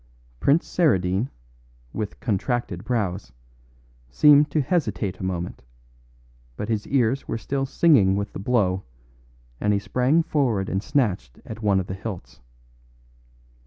Prince Saradine, with contracted brows, seemed to hesitate a moment, but his ears were still singing with the blow, and he sprang forward and snatched at one of the hilts.